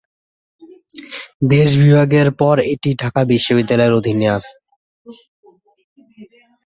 দেশ বিভাগের পর এটি ঢাকা বিশ্ববিদ্যালয়ের অধীনে আসে।